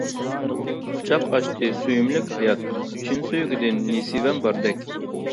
قۇچاق ئاچتى سۆيۈملۈك ھايات، چىن سۆيگۈدىن نېسىۋەم باردەك.